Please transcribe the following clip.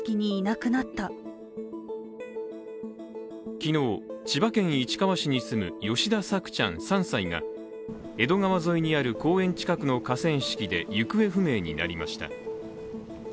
昨日、千葉県市川市に住む吉田朔ちゃん３歳が江戸川沿いにある公園近くの河川敷で行方不明になりました。